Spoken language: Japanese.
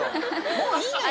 もういいのよ。